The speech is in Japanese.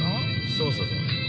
◆そうそう。